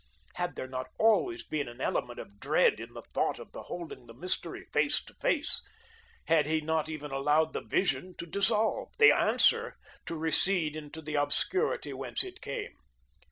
Had there not always been an element of dread in the thought of beholding the mystery face to face? Had he not even allowed the Vision to dissolve, the Answer to recede into the obscurity whence it came?